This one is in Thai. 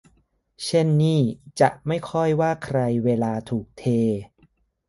เช่นนี่จะไม่ค่อยว่าใครเวลาถูกเท